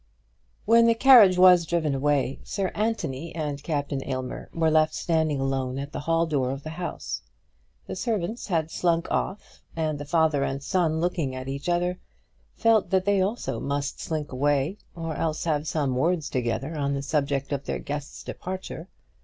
When the carriage was driven away, Sir Anthony and Captain Aylmer were left standing alone at the hall door of the house. The servants had slunk off, and the father and son, looking at each other, felt that they also must slink away, or else have some words together on the subject of their guest's departure.